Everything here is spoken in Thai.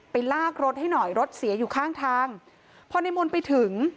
ลากรถให้หน่อยรถเสียอยู่ข้างทางพอในมนต์ไปถึง